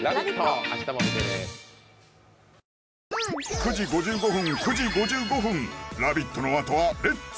９時５５分９時５５分「ラヴィット！」のあとは「レッツ！